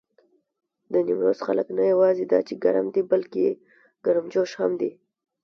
د نيمروز خلک نه یواځې دا چې ګرم دي، بلکې ګرمجوش هم دي.